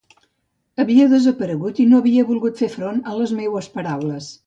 Havia desaparegut i no havia volgut fer front a les meues paraules.